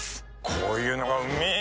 こういうのがうめぇ